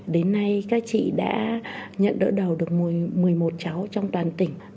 đến nay các chị đã nhận đỡ đầu được một mươi một cháu trong toàn tỉnh